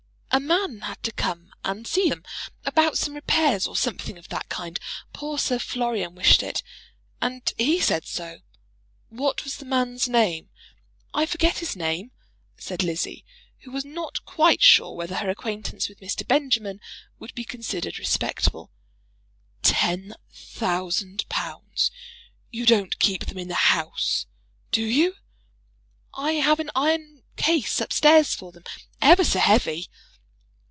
"A man had to come and see them, about some repairs, or something of that kind. Poor Sir Florian wished it. And he said so." "What was the man's name?" "I forget his name," said Lizzie, who was not quite sure whether her acquaintance with Mr. Benjamin would be considered respectable. "Ten thousand pounds! You don't keep them in the house; do you?" "I have an iron case up stairs for them; ever so heavy."